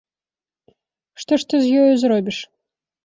Што ж ты з ёю зробіш.